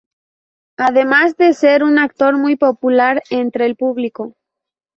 Además de ser un actor muy popular entre el público.